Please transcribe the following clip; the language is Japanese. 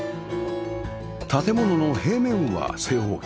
建物の平面は正方形